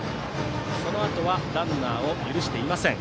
そのあとはランナーを許していません。